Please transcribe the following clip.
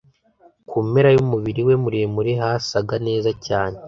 ku mpera yumubiri we muremure hasaga neza cyane